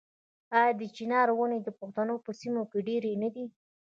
آیا د چنار ونې د پښتنو په سیمو کې ډیرې نه دي؟